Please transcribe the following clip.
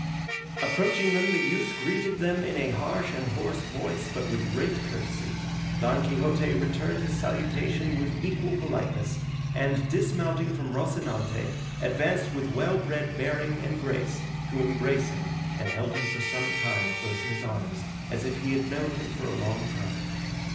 Approaching them, the youth greeted them in a harsh and hoarse voice but with great courtesy. Don Quixote returned his salutation with equal politeness, and dismounting from Rocinante advanced with well bred bearing and grace to embrace him, and held him for some time close in his arms as if he had known him for a long time.